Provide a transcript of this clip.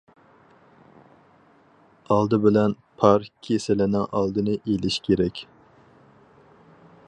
ئالدى بىلەن، پار كېسىلىنىڭ ئالدىنى ئېلىش كېرەك.